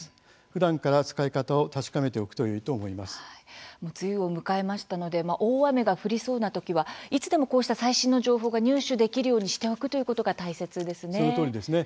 ふだんから使い方を梅雨を迎えましたので大雨が降りそうなときはいつでもこうした最新の情報が入手できるようにしておくということが大切ですね。